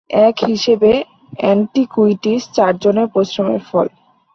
এক হিসেবে ‘অ্যান্টিকুইটিজ’ চারজনের পরিশ্রমের ফল।